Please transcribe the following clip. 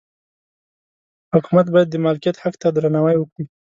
حکومت باید د مالکیت حق ته درناوی وکړي.